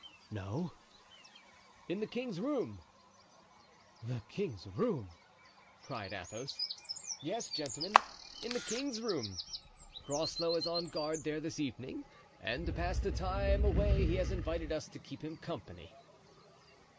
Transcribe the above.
"No." "In the king's room." "The king's room?" cried Athos. "Yes, gentlemen, in the king's room. Groslow is on guard there this evening, and to pass the time away he has invited us to keep him company."